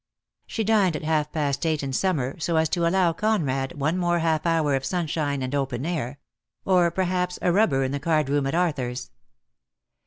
She dined at half past eight in summer, so as to allow Conrad one more half hour of sun shine and open air — or perhaps a rubber in the card room at Arthur's.